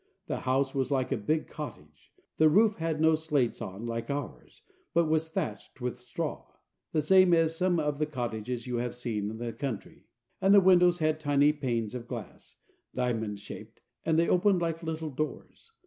The house was like a big cottage; the roof had no slates on like ours, but was thatched with straw, the same as some of the cottages you have seen in the country; and the windows had tiny panes of glass, diamond shaped, and they opened like little doors.